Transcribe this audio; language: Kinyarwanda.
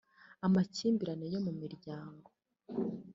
amakimbirane yo mu miryango